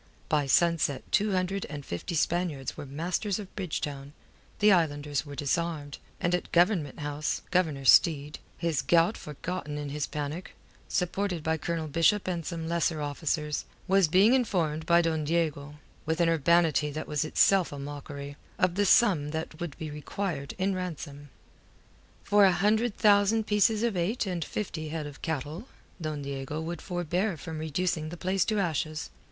By sunset two hundred and fifty Spaniards were masters of Bridgetown, the islanders were disarmed, and at Government House, Governor Steed his gout forgotten in his panic supported by Colonel Bishop and some lesser officers, was being informed by Don Diego, with an urbanity that was itself a mockery, of the sum that would be required in ransom. For a hundred thousand pieces of eight and fifty head of cattle, Don Diego would forbear from reducing the place to ashes.